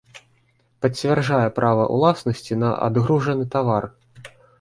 Пацвярджае права ўласнасці на адгружаны тавар.